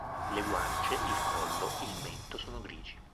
Le guance, il collo, il mento sono grigi.